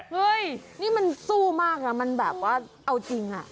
เฮ้ยนี่มันสู้มากนะมันแบบว่าเอาจริงอ่ะ